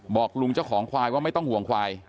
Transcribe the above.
บอกลุงเจ้าของควายว่าไม่ต้องห่วงควาย